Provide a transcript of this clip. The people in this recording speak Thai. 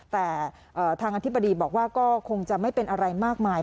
แต่ทางอธิบดีบอกว่าก็คงจะไม่เป็นอะไรมากมาย